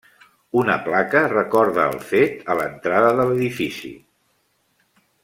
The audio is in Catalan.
Una placa recorda el fet a l'entrada de l'edifici.